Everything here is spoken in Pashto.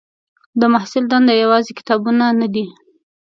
د محصل دنده یوازې کتابونه نه دي.